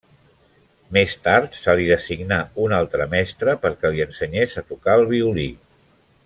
Més tard, se li designà un altre mestre perquè li ensenyés a tocar el violí.